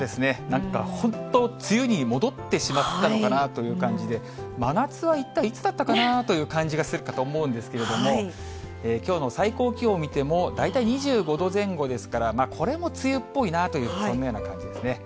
なんか本当、梅雨に戻ってしまったのかなという感じで、真夏は一体いつだったかな？という感じがするかと思うんですけど、きょうの最高気温を見ても、大体２５度前後ですから、これも梅雨っぽいなというそんなような感じですね。